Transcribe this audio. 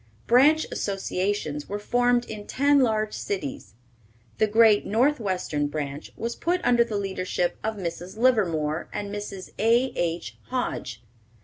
Branch associations were formed in ten large cities. The great Northwestern Branch was put under the leadership of Mrs. Livermore and Mrs. A.H. Hoge.